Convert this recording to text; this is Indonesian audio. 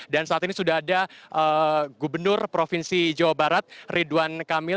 saat ini sudah ada gubernur provinsi jawa barat ridwan kamil